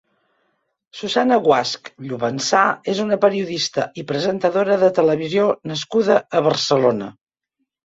Susana Guasch Llovensá és una periodista i presentadora de televisió nascuda a Barcelona.